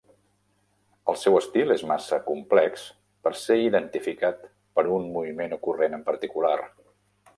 El seu estil és massa complex per ser identificat per un moviment o corrent en particular.